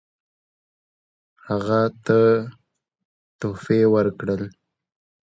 هغه ته تحفې ورکړل.